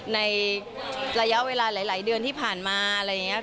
ในระยะเวลาหลายเดือนที่ผ่านมาอะไรอย่างนี้ค่ะ